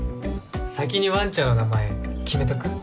先にワンちゃんの名前決めとく？